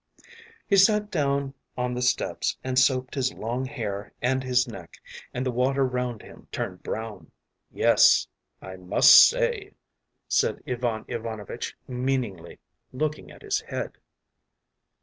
” He sat down on the steps and soaped his long hair and his neck, and the water round him turned brown. “Yes, I must say,” said Ivan Ivanovitch meaningly, looking at his head.